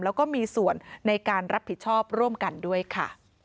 แล้วก็มีส่วนในการรับผิดชอบร่วมกันด้วยค่ะ